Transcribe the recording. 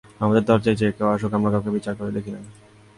আমাদের দরজায় যে কেউ আসুক, আমরা কাউকে বিচার করে দেখি না।